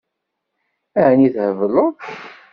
Ɛni thebleḍ?